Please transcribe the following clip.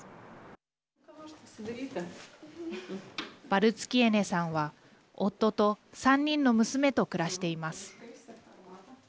バルツキエネさんは夫と３人の娘と暮らしています。